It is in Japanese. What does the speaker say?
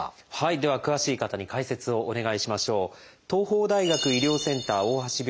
では詳しい方に解説をお願いしましょう。